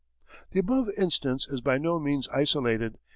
The above instance is by no means isolated.